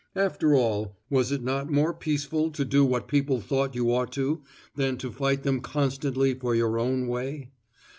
After all, was it not more peaceful to do what people thought you ought to, than to fight them constantly for your own way?